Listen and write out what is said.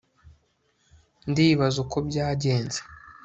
ndibaza uko byagenze